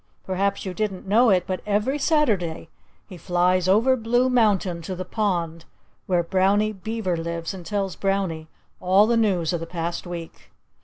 Perhaps you didn't know it; but every Saturday he flies over Blue Mountain to the pond where Brownie Beaver lives and tells Brownie all the news of the past week."